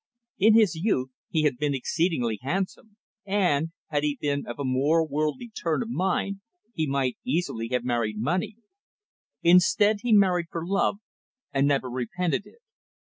In his youth, he had been exceedingly handsome, and, had he been of a more worldly turn of mind, he might easily have married money. Instead, he married for love, and never repented it.